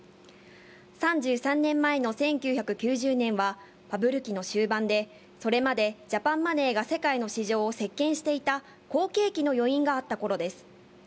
３３年前の１９９０年は、バブル期の終盤で、それまでジャパンマネーが世界の市場を席けんしていた好景気の余韻があったころです。